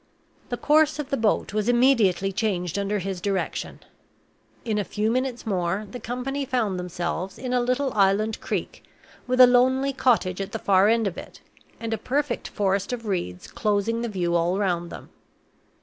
The course of the boat was immediately changed under his direction. In a few minutes more, the company found themselves in a little island creek, with a lonely cottage at the far end of it, and a perfect forest of reeds closing the view all round them.